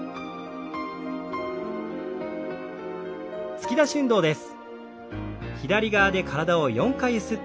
突き出し運動です。